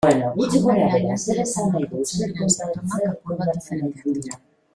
Janari-alergietan agertzen diren sintomak apur bat diferenteak dira.